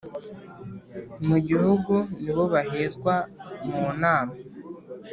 Mu gihugu ni bo bahezwaga mu nama